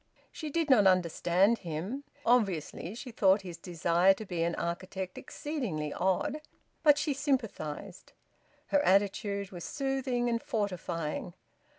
She did not understand him; obviously she thought his desire to be an architect exceedingly odd; but she sympathised. Her attitude was soothing and fortifying.